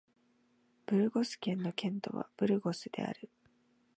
ブルゴス県の県都はブルゴスである